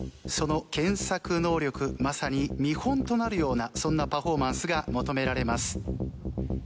その検索能力まさに見本となるようなそんなパフォーマンスが求められます。